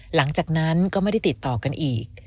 หลังจากนั้นก็ไม่ได้ติดต่อกันอีก